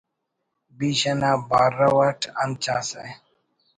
بیش انا بارو اٹ انت چاسہ